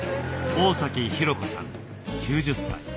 大崎博子さん９０歳。